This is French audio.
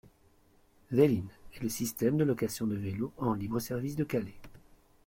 Vel'in est le système de location de vélos en libre-service de Calais.